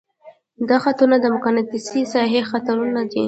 دا خطونه د مقناطیسي ساحې خطونه دي.